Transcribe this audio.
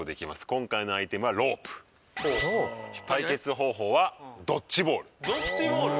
「今回のアイテムはロープ」「対決方法はドッジボール」